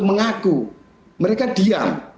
mengaku mereka diam